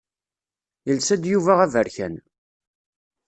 Yelsa-d Yuba aberkan.